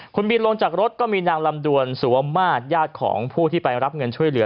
คุณบินลงจากรถก็มีนางลำดวนสุวมาตรญาติของผู้ที่ไปรับเงินช่วยเหลือ